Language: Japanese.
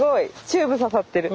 チューブ刺さってる。